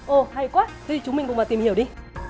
ồ hay quá thì chúng mình cùng vào tìm hiểu đi